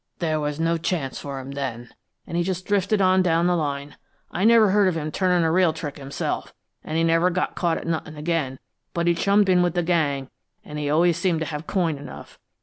There wasn't no chance for him then, an' he just drifted on down the line. I never heard of him turnin' a real trick himself, an' he never got caught at nothin' again, but he chummed in with the gang, an' he always seemed to have coin enough.